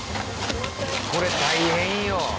これ大変よ。